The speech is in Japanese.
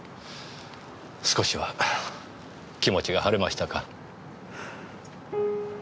少しは気持ちが晴れましたか？